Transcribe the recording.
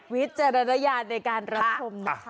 วิจารณญาณในการรับชมนะคะ